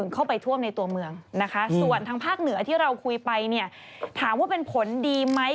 เข้าไปท่วมในตัวเมืองนะคะส่วนทางภาคเหนือที่เราคุยไปเนี่ยถามว่าเป็นผลดีไหม